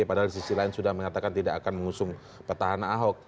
padahal di sisi lain sudah mengatakan tidak akan mengusung petahana ahok